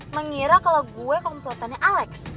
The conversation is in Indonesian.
mengira kalau gue komplotannya alex